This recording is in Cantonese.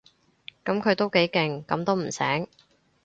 噉佢都幾勁，噉都唔醒